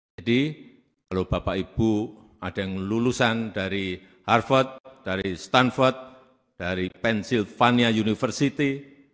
jadi kalau bapak ibu ada yang lulusan dari harvard dari stanford dari pennsylvania university